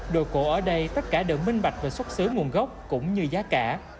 đồ cổ ở đây tất cả đều minh bạch về xuất xứ nguồn gốc cũng như giá cả